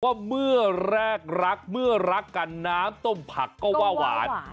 ว่าเมื่อแรกรักเมื่อรักกันน้ำต้มผักก็ว่าหวาน